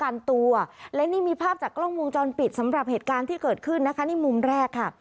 กันตัวและนี่มีภาพจากกล้องวงจรปิดสำหรับเหตุการณ์ที่เกิดขึ้นนะคะนี่มุมแรกค่ะ